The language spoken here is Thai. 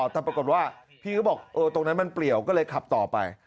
แต่ปรากฏว่าพี่ก็บอกตรงนั้นมันเปลี่ยวก็เลยขับต่อไป